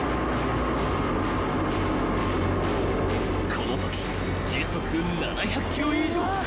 ［このとき時速７００キロ以上］